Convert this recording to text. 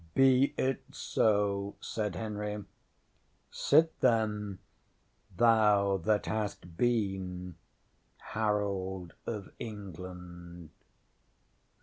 ŌĆ£Be it so, ŌĆØ said Henry. ŌĆ£Sit, then, thou that hast been Harold of England.